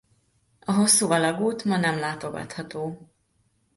A hosszú alagút ma nem látogatható.